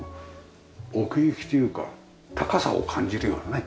奥行きというか高さを感じるようなね